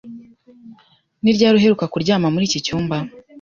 Ni ryari uheruka kuryama muri iki cyumba?